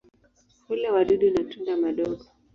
Hula wadudu na tunda madogo.